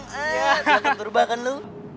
gak akan berubah kan lo